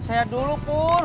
saya dulu pur